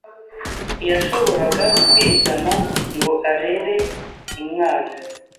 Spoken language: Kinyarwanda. Ntiyashoboraga kwizana ngo arere umwana.